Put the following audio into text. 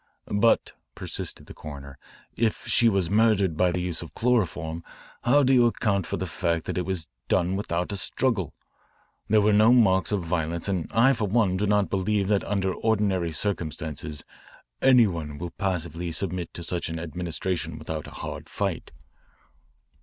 "But," persisted the coroner, "if she was murdered by the use of chloroform, how do you account for the fact that it was done without a struggle? There were no marks of violence and I, for one, do not believe that under ordinary circumstances any one will passively submit to such an administration without a hard fight."